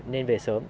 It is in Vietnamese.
nên về sớm